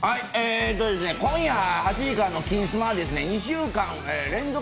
今夜８時からの「金スマ」は２週間連続